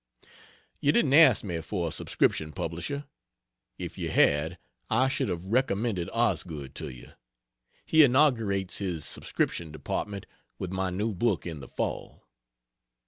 You didn't ask me for a subscription publisher. If you had, I should have recommended Osgood to you. He inaugurates his subscription department with my new book in the fall.....